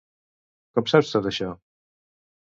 Com saps tot això?